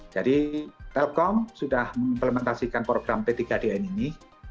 jadi telkom sudah mengimplementasikan program p tiga dn ini